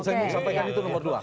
saya mau sampaikan itu nomor dua